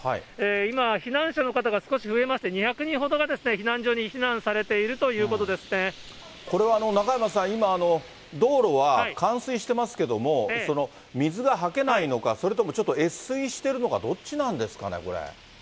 今、避難者の方が少し増えまして２００人ほどが避難所に避難されていこれは中山さん、今、道路は冠水してますけども、水がはけないのか、それともちょっと越水してるのか、どっちなんですかね、これ。